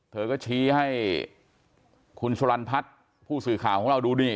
เธอก็ชี้ให้คุณสุรันพัฒน์ผู้สื่อข่าวของเราดูนี่